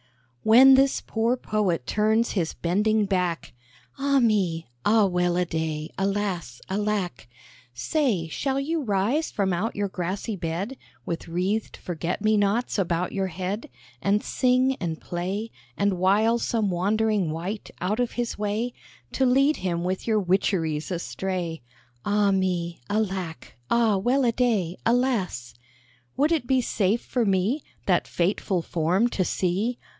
"When this poor Poet turns his bending back, (Ah me! Ah, well a day! Alas! Alack!) Say, shall you rise from out your grassy bed, With wreathed forget me nots about your head, And sing and play, And wile some wandering wight out of his way, To lead him with your witcheries astray? (Ah me! Alas! Alack! Ah, well a day!) Would it be safe for me That fateful form to see?"